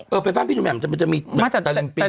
เออไปบ้านพี่หนูแหม่มมันจะมีตาลิมปิง